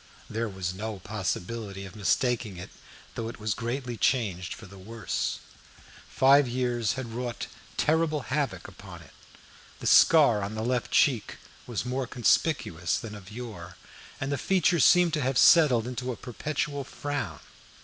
There was no possibility of mistaking it, though it was greatly changed for the worse. Five years had wrought terrible havoc upon it. The scar on the left cheek was more conspicuous than of yore, and the features seemed to have settled into a perpetual frown.